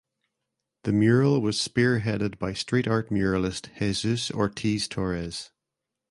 The mural was spearheaded by street art muralist Jesus Ortiz Torres.